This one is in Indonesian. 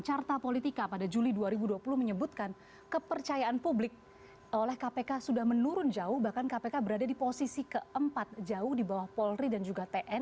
carta politika pada juli dua ribu dua puluh menyebutkan kepercayaan publik oleh kpk sudah menurun jauh bahkan kpk berada di posisi keempat jauh di bawah polri dan juga tni